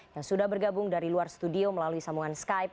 yang sudah bergabung dari luar studio melalui sambungan skype